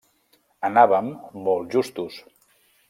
Anàvem molt justos.